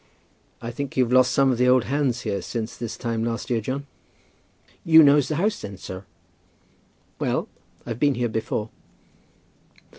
"I think you've lost some of the old hands here since this time last year, John?" "You knows the house then, sir?" "Well; I've been here before."